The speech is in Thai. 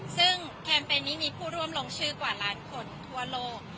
ซึ่งแคมเปญนี้มีผู้ร่วมลงชื่อกว่าล้านคนทั่วโลก